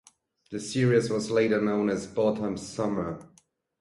The series was later known as Botham's summer.